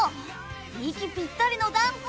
息ぴったりのダンス。